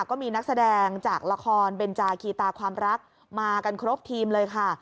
ก็มีนักแสดงจากละครเบนจาคีตาความรักมากันครบทีมเลยค่ะ